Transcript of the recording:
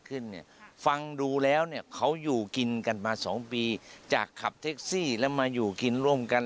เขาอยู่กินกันมา๒ปีจากขับเท็กซี่และมาอยู่กินร่วมกัน